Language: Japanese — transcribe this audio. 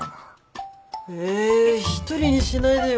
ええ一人にしないでよ。